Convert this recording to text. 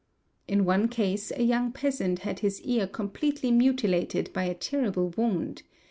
In one case a young peasant had his ear completely mutilated by a terrible wound.